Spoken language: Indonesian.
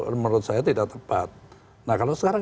menurut saya tidak tepat nah kalau sekarang